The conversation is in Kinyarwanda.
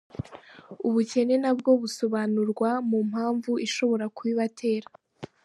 Ubukene na bwo busobanurwa mu mpamvu ishobora kubibatera.